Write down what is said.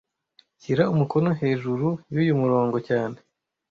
Shyira umukono hejuru yuyu murongo cyane